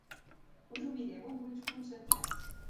Us ho mireu amb ulls concentrats.